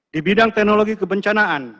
di bidang teknologi kebencanaan